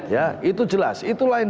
ya itu jelas itulah yang